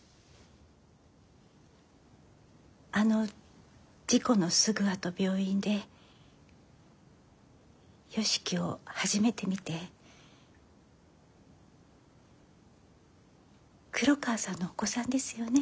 あの事故のすぐあと病院で良樹を初めて見て「黒川さんのお子さんですよね」